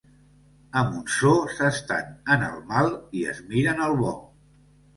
A Montsó s'estan en el mal i es miren el bo.